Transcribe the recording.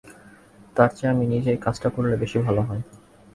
তারচেয়ে আমি নিজেই কাজটা করলে বেশি ভালো হয়।